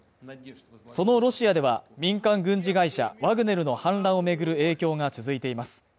そのロシアでは民間軍事会社ワグネルの反乱を巡る影響が続いています。